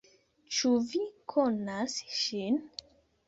Ĉu vi konas ŝin?